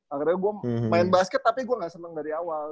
akhirnya gue main basket tapi gue gak seneng dari awal